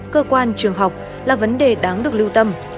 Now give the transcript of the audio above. cơ quan trường học là vấn đề đáng được lưu tâm